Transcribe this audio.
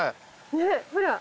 ねっほら！